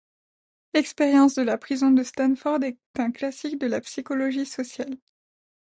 L'expérience de la prison de Stanford est un classique de la psychologie sociale.